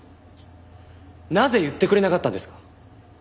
なぜ言ってくれなかったんですか？